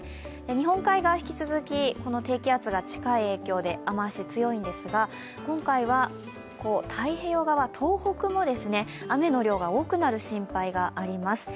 日本海側、引き続き低気圧が近い影響で雨足が強いんですが、今回は太平洋側、東北も雨の量が多くなる心配があります。